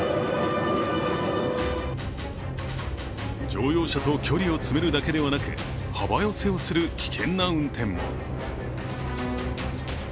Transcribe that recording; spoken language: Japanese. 乗用車と距離を詰めるだけでなく幅寄せをする危険な運転。